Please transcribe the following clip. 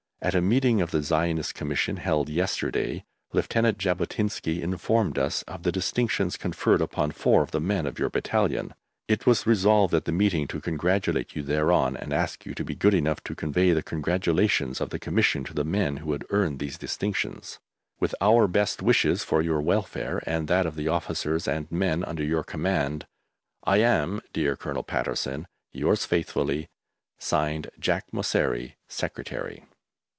At a meeting of the Zionist Commission held yesterday, Lieutenant Jabotinsky informed us of the distinctions conferred upon four of the men of your battalion. It was resolved at this meeting to congratulate you thereon and ask you to be good enough to convey the congratulations of the Commission to the men who had earned these distinctions. With our best wishes for your welfare and that of the officers and men under your command, I am, dear Colonel Patterson, Yours faithfully, (Signed) JACK MOSSERI, Secretary.